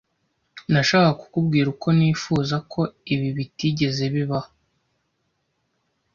Nashakaga kukubwira uko nifuza ko ibi bitigeze bibaho.